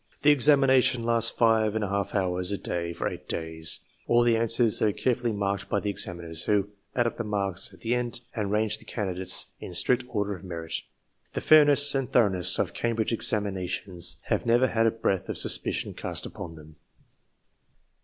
The examination lasts five and a half hours a day for eight days. All the answers are carefully marked by the examiners, who add up the marks at the end and range the candidates in strict order of merit. The fair ness and thoroughness of Cambridge examinations have never had a breath of suspicion cast upon them.